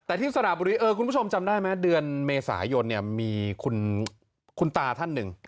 แต่ที่สระบุรีเออคุณผู้ชมจำได้ไหมเดือนเมษายนมีคุณตาท่านหนึ่ง